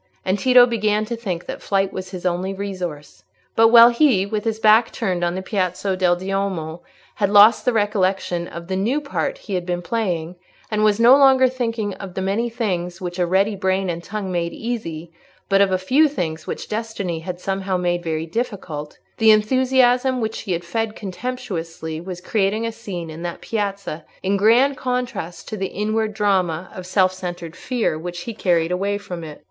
And Tito began to think that flight was his only resource. But while he, with his back turned on the Piazza del Duomo, had lost the recollection of the new part he had been playing, and was no longer thinking of the many things which a ready brain and tongue made easy, but of a few things which destiny had somehow made very difficult, the enthusiasm which he had fed contemptuously was creating a scene in that piazza in grand contrast with the inward drama of self centred fear which he had carried away from it.